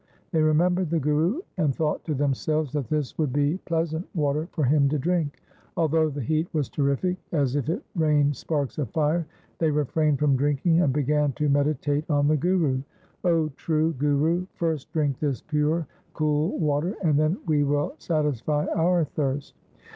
They remembered the Guru and thought to themselves that this would be pleasant water for him to drink. Although the heat was terrific, as if it rained sparks of fire, they refrained from drinking and began to meditate on the Guru, ' 0 true Guru, first drink this pure cool water, and then we will satisfy our thirst.